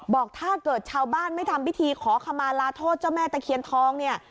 บอกถ้าเกิดชาวบ้านไม่ทำพิธีขอขมาลาโทษเจ้าแม่ตะเคียนทองเนี่ย